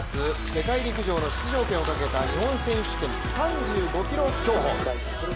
世界陸上の出場権をかけた日本選手権３５ｋｍ競歩。